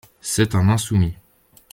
C'est un insoumis.